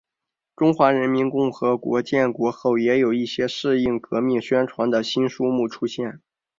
中华人民共和国建国后也有一些适应革命宣传的新书目出现。